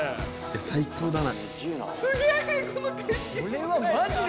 最高だな。